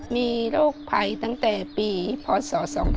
มีโรคภัยตั้งแต่ปีพศ๒๕๖